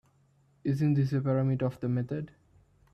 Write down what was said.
Isn’t this a parameter of the method?